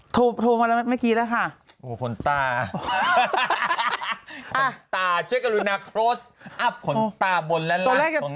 โทรมาแล้วไม่กี่แล้วค่ะโอ้โหขนตาขนตาขนตาบนแล้วหลังของนาง